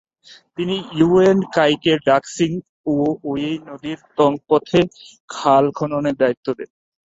তিনি ইয়ুওয়েন কাইকে ডাক্সিং ও ওয়েই নদীর তং পথে খাল খননের দায়িত্ব দেন।